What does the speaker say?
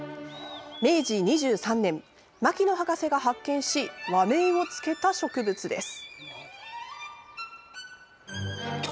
明治２３年、牧野博士が発見し和名をつけた植物です。